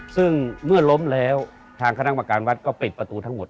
ซึ่งเมื่อล้มแล้วทางคณะประการวัดก็ปิดประตูทั้งหมด